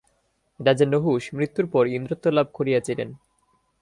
রাজা নহুষ মৃত্যুর পর ইন্দ্রত্ব লাভ করিয়াছিলেন।